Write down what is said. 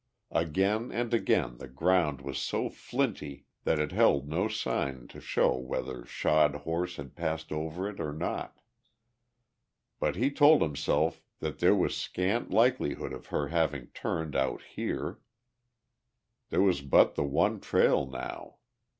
Again and again the ground was so flinty that it held no sign to show whether shod horse had passed over it or not. But he told himself that there was scant likelihood of her having turned out here; there was but the one trail now.